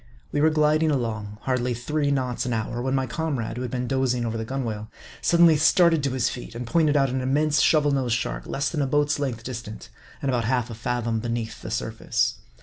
We were gliding along, hardly three knots an hour, when my comrade, who had been dozing over the gunwale, sud denly started to his feet, and pointed out an immense Shovel nosed Shark, less than a boat's length distant, and about half a fathom beneath the surface.